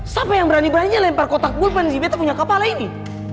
siapa yang berani beraninya lempar kotak bulpen si beta punya kepala ini